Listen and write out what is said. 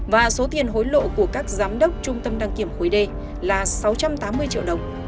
và số tiền hối lộ của các giám đốc trung tâm đăng kiểm khối d là sáu trăm tám mươi triệu đồng